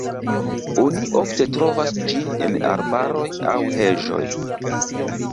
Oni ofte trovas ĝin en arbaroj aŭ heĝoj.